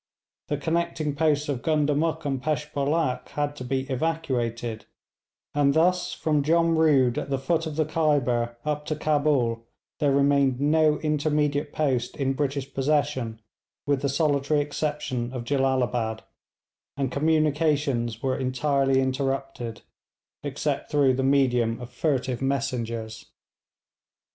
The connecting posts of Gundamuk and Peshbolak had to be evacuated; and thus, from Jumrood at the foot of the Khyber up to Cabul, there remained no intermediate post in British possession with the solitary exception of Jellalabad, and communications were entirely interrupted except through the medium of furtive messengers.